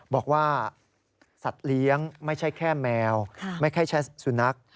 บอกว่าสัตว์เลี้ยงไม่ใช่แค่แมวไม่ใช่แค่สุนัข